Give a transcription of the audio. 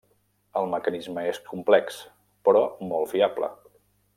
El mecanisme és complex, però molt fiable.